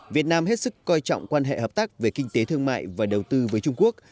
việt nam hết sức coi trọng quan hệ hợp tác về kinh tế thương mại và đầu tư với trung quốc